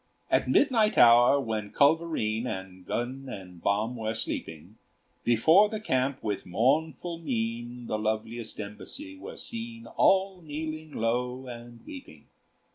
At midnight hour, when culverin And gun and bomb were sleeping, Before the camp with mournful mien, The loveliest embassy were seen, All kneeling low and weeping.